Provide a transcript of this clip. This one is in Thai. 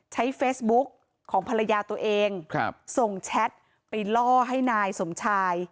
ใช้เฟซบุ๊กของภรรยาตัวเองส่งแชทไปล่อให้นายสมชาย